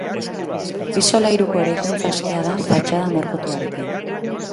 Bi solairuko eraikuntza askea da, fatxada margotuarekin.